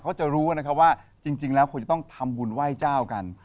เขาจะรู้นะครับว่าจริงแล้วควรจะต้องทำบุญไหว้เจ้ากัน